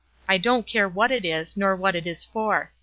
I don't care what it is, nor what it is for.